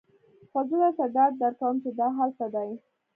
خو زه درته ډاډ درکوم چې دا هلته دی